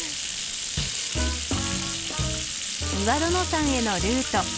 岩殿山へのルート。